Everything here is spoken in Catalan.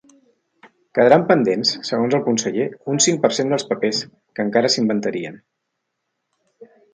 Quedaran pendents, segons el conseller, un cinc per cent dels papers, que encara s’inventarien.